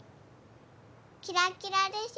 キラキラでしょ？